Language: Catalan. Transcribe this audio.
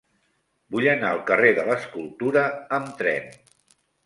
Vull anar al carrer de l'Escultura amb tren.